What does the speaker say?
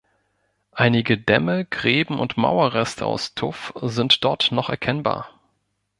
Einige Dämme, Gräben und Mauerreste aus Tuff sind dort noch erkennbar.